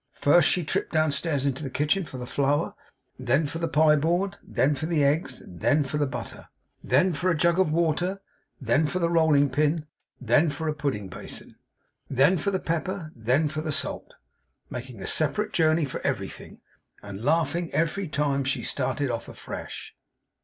First, she tripped downstairs into the kitchen for the flour, then for the pie board, then for the eggs, then for the butter, then for a jug of water, then for the rolling pin, then for a pudding basin, then for the pepper, then for the salt; making a separate journey for everything, and laughing every time she started off afresh.